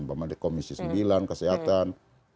apalagi komisi sembilan kesehatan